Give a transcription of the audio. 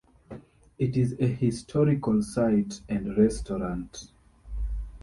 It is a historical site and restaurant.